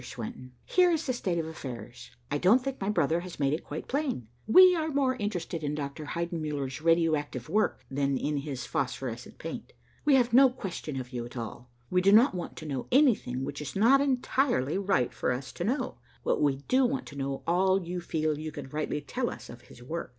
Swenton, here is the state of affairs. I don't think my brother has made it quite plain. We are more interested in Dr. Heidenmuller's radio active work than in his phosphorescent paint. We have no question of you at all. We do not want to know anything which is not entirely right for us to know, but we do want to know all you feel you can rightly tell us of his work.